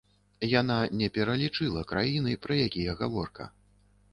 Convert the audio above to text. Яна не пералічыла краіны, пра якія гаворка.